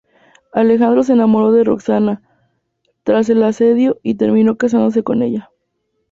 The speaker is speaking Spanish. Alejandro se enamoró de Roxana tras el asedio y terminó casándose con ella.